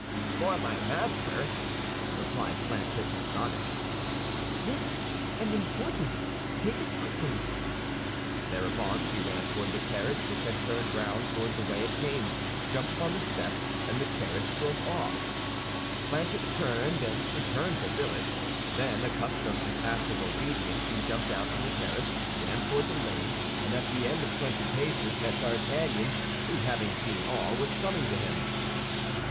"For my master?" replied Planchet, astonished. "Yes, and important. Take it quickly." Thereupon she ran toward the carriage, which had turned round toward the way it came, jumped upon the step, and the carriage drove off. Planchet turned and returned the billet. Then, accustomed to passive obedience, he jumped down from the terrace, ran toward the lane, and at the end of twenty paces met D'Artagnan, who, having seen all, was coming to him.